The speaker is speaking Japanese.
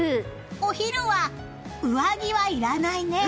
お昼は上着はいらないね！